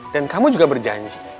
dan kamu juga berjanji